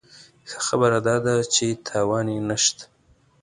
ښه خبره داده چې تاوان یې نه شته.